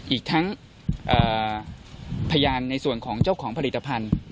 อีกทั้งพยานในส่วนของเจ้าของผลิตภัณฑ์